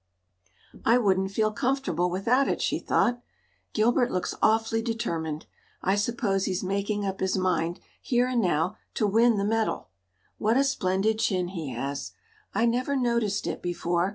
"I wouldn't feel comfortable without it," she thought. "Gilbert looks awfully determined. I suppose he's making up his mind, here and now, to win the medal. What a splendid chin he has! I never noticed it before.